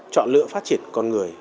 chọn lựa phát triển con người